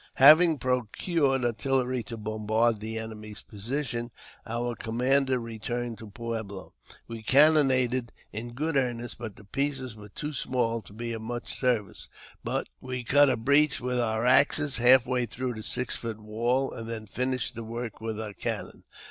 Having procured artillery to bombard the enemy's position, our commander returned to Pueblo. We cannonaded in good earnest, but the pieces were too small to be of much service ; but we cut a breach with our axes half way through the six foot wall, and then finished the work with our cannon.